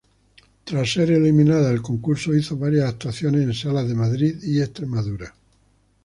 Tras ser eliminada del concurso, hizo varias actuaciones en salas de Madrid y Extremadura.